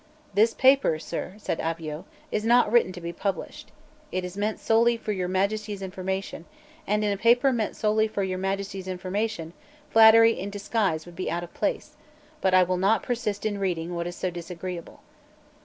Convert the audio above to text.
"This paper, Sir," said Avaux, "is not written to be published. It is meant solely for Your Majesty's information; and, in a paper meant solely for Your Majesty's information, flattery and disguise would be out of place; but I will not persist in reading what is so disagreeable."